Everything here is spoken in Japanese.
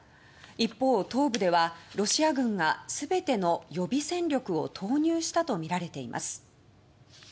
一方、東部ではロシア軍が全ての予備戦力を投入したとみられています。